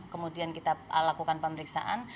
kemudian kita lakukan pemeriksaan